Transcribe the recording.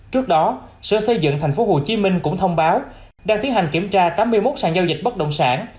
trước đó sở xây dựng tp hcm cũng thông báo đang tiến hành kiểm tra tám mươi một sàn giao dịch bất động sản